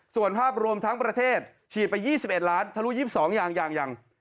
ส่วนภาพรวมทั้งประเทศฉีดไป๒๑ล้านทะลุ๒๒อย่าง